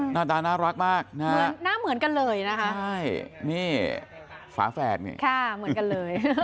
หน้าตาน่ารักมากนะฮะหน้าเหมือนกันเลยนะคะใช่นี่ฝาแฝดนี่ค่ะเหมือนกันเลย